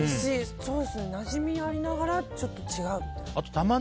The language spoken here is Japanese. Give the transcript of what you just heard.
ソース、なじみがありながらちょっと違うみたいな。